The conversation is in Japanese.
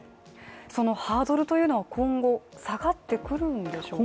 そのハードルというのは今後下がってくるんでしょうか。